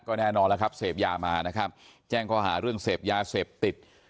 แน่นอนแล้วครับเสพยามานะครับแจ้งข้อหาเรื่องเสพยาเสพติด